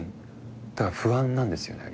だから不安なんですよね。